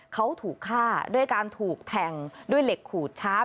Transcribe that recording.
เขาถูกฆ่าด้วยการถูกแทงด้วยเหล็กขูดชาร์ฟ